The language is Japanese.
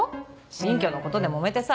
新居のことでもめてさ！